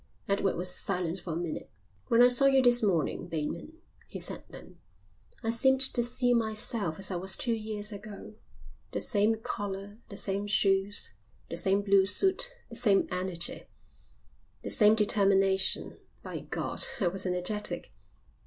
Edward was silent for a minute. "When I saw you this morning, Bateman," he said then, "I seemed to see myself as I was two years ago. The same collar, and the same shoes, the same blue suit, the same energy. The same determination. By God, I was energetic.